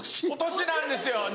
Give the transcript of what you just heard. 今年なんですよ。